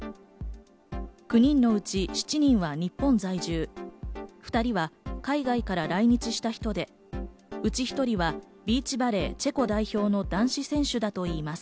９人のうち７人は日本在住、２人は海外から来日した人で、うち１人はビーチバレー、チェコ代表の男子選手だといいます。